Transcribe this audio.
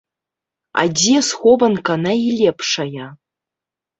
А дзе схованка найлепшая?